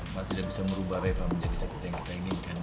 maka tidak bisa merubah reva menjadi satu yang kita inginkan